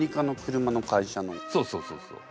そうそうそうそう。